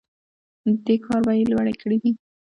دې کار بیې لوړې کړي دي.